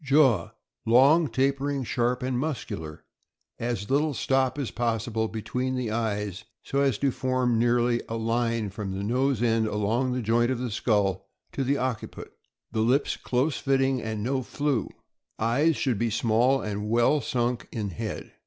Jaw. — Long, tapering, sharp, and muscular; as little stop as possible between the eyes, so as to form nearly a line from the nose end along the joint of the skull to the occiput. The lips close fitting, and no flew. Eyes. — Should be small and well sunk in head.